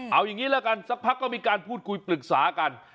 เอาอย่างนี้ละกันสักพักก็มีการพูดคุยปรึกษากัน